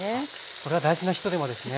これは大事なひと手間ですね。